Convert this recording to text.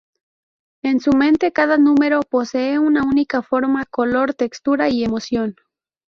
En su mente, cada número posee una única forma, color, textura y emoción.